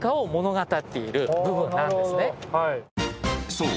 ［そう。